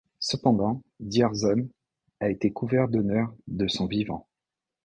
Cependant, Dzierżon a été couvert d'honneurs de son vivant.